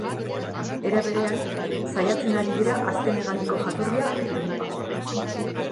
Era berean, saiatzen ari dira azken hegaldiko jatorria eta helmuga.